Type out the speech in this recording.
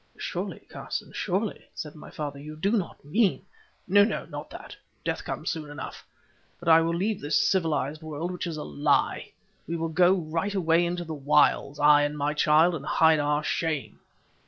"Surely, Carson, surely," said my father, "you do not mean——" "No, no; not that. Death comes soon enough. But I will leave this civilized world which is a lie. We will go right away into the wilds, I and my child, and hide our shame.